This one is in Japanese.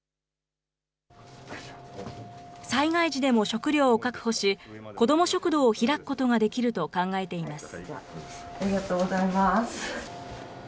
災害時でも食料を確保し、子ども食堂を開くことができると考えています。